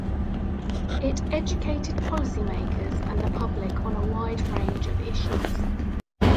It educated policymakers and the public on a wide range of issues.